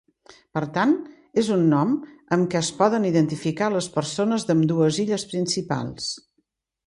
Per tant, és un nom amb què es poden identificar les persones d'ambdues illes principals.